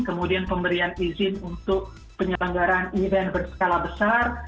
kemudian pemberian izin untuk penyelenggaran event berskala besar